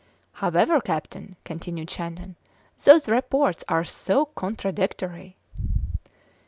"However, captain," continued Shandon, "those reports are so contradictory."